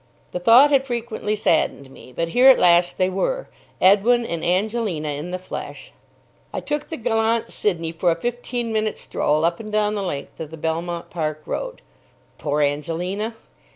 The thought had frequently saddened me; but here at last they were—Edwin and Angelina in the flesh! I took the gallant Sidney for a fifteen minute stroll up and down the length of the Belmont Park Road. Poor Angelina!